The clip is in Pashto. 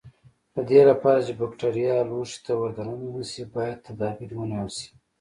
د دې لپاره چې بکټریا لوښي ته ور دننه نشي باید تدابیر ونیول شي.